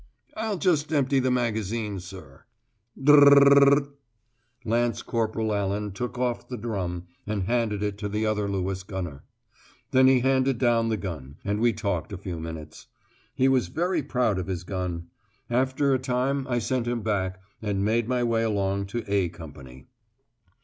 "I'll just empty the magazine, sir." "Dr r r r r." Lance Corporal Allan took off the drum, and handed it to the other Lewis gunner. Then he handed down the gun, and we talked a few minutes. He was very proud of his gun. After a time I sent him back, and made my way along to "A" Company.